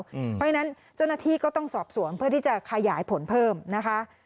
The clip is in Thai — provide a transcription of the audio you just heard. เพราะฉะนั้นเจ้าหน้าที่ก็ต้องสอบสวนเพื่อที่จะขยายผลเพิ่มนะคะ